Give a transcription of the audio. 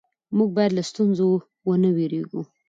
موږ باید له ستونزو ونه وېرېږو